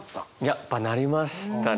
やっぱなりましたね。